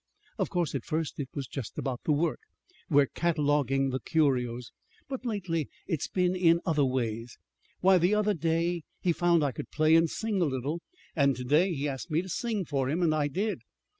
Of course, at first it was just about the work we're cataloguing the curios; but lately it's been in other ways. Why, the other day he found I could play and sing a little, and to day he asked me to sing for him. And I did."